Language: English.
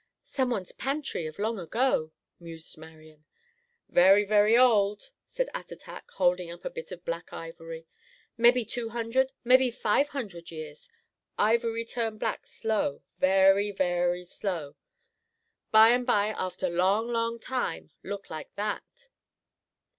"Someone's pantry of long ago," mused Marian. "Very, very old," said Attatak, holding up a bit of black ivory. "Mebby two hundred, mebby five hundred years. Ivory turn black slow; very, very slow. By and by, after long, long time, look like that."